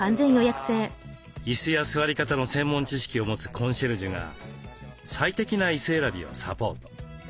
椅子や座り方の専門知識を持つコンシェルジュが最適な椅子選びをサポート。